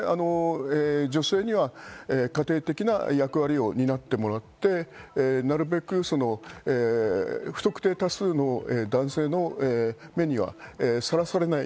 女性には家庭的な役割を担ってもらって、なるべく不特定多数の男性の目にはさらされない。